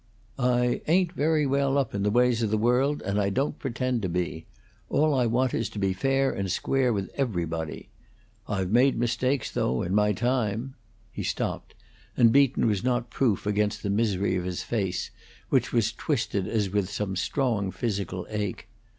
"I ain't very well up in the ways of the world, and I don't pretend to be. All I want is to be fair and square with everybody. I've made mistakes, though, in my time " He stopped, and Beaton was not proof against the misery of his face, which was twisted as with some strong physical ache.